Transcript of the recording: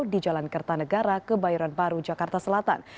di jalan kertanegara ke bayoran baru jakarta selatan